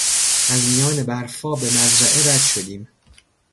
از میان برفاب مزرعه رد شدیم.